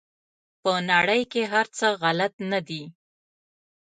په نړۍ کې هر څه غلط نه دي.